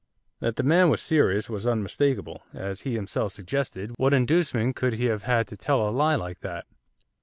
That the man was serious was unmistakable. As he himself suggested, what inducement could he have had to tell a lie like that?